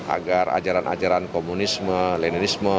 agar ajaran ajaran komunisme leninisme